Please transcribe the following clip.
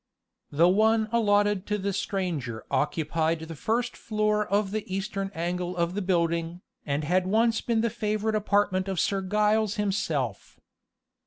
The one allotted to the stranger occupied the first floor of the eastern angle of the building, and had once been the favorite apartment of Sir Giles himself.